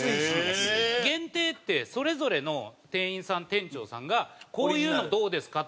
限定ってそれぞれの店員さん店長さんがこういうのどうですか？